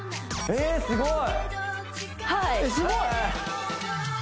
えっすごい！